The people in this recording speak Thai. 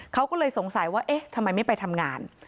เขาก็เลยสงสัยว่าเอ๊ะทำไมไม่ไปทำงาน